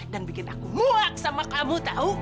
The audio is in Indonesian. dan bikin aku muak sama kamu tahu